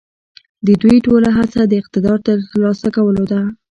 د دوی ټوله هڅه د اقتدار د تر لاسه کولو ده.